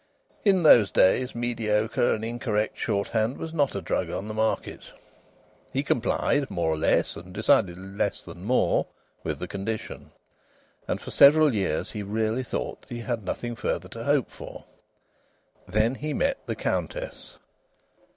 In those days mediocre and incorrect shorthand was not a drug on the market. He complied (more or less, and decidedly less than more) with the condition. And for several years he really thought that he had nothing further to hope for. Then he met the Countess.